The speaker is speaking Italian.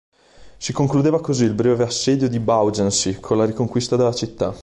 Si concludeva così il breve assedio di Beaugency, con la riconquista della città.